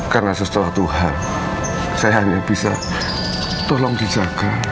karena sesuatu hal saya hanya bisa tolong dijaga